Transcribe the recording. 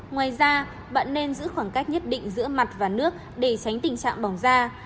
ngoài ra bạn nên giữ khoảng cách nhất định giữa mặt và nước để tránh tình trạng bỏng da